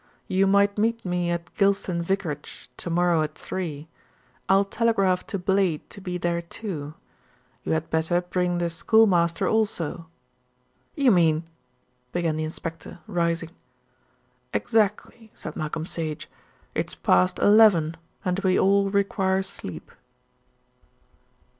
"You might meet me at Gylston Vicarage to morrow at three. I'll telegraph to Blade to be there too. You had better bring the schoolmaster also." "You mean " began the inspector, rising. "Exactly," said Malcolm Sage. "It's past eleven, and we all require sleep."